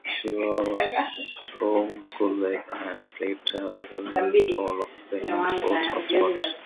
She was home schooled and played travel ball for Diamond Sports Hotshots.